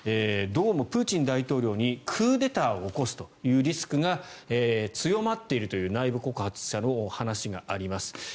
どうもプーチン大統領にクーデターを起こすというリスクが強まっているという内部告発者の話があります。